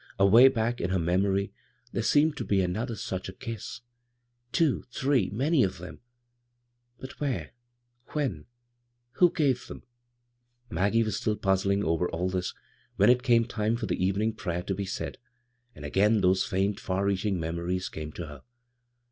Away back in her memory there seemed to be another such a kiss— two, three, many of them ; but where ? when ? who gave them ? Maggie was still puzzling over all this when it came time for the evening prayer to be said ; and again those faint, far reaching memories came to her.